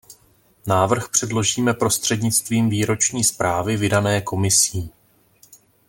Návrh předložíme prostřednictvím výroční zprávy vydané Komisí.